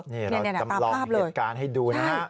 นี่ตามภาพเลยใช่เราตำรองเหตุการณ์ให้ดูนะฮะ